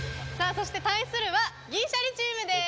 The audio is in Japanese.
そして対するは銀シャリチームです